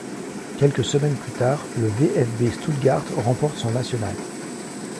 Quelques semaines plus tard, le VfB Stuttgart remporte son national.